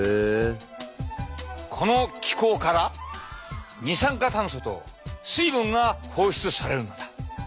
この気孔から二酸化炭素と水分が放出されるのだ。